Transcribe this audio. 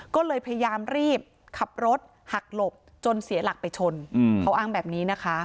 ก็เลยพยายามรีบขับรถหักหลบจนเสียหลักไปชนเขาอ้างแบบนี้นะคะ